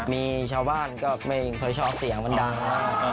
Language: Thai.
มีชาวบ้านก็ไม่เคยชอบเสียงมันดัง